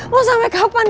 mau sampai kapan nino